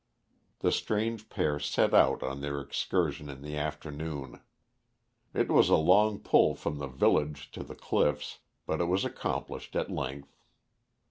The strange pair set out on their excursion in the afternoon. It was a long pull from the village to the cliffs, but it was accomplished at length.